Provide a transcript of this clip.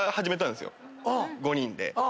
５人で。